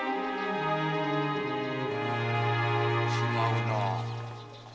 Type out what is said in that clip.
違うな。